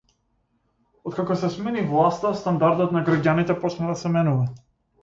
Откако се смени власта стандардот на граѓаните почна да се менува.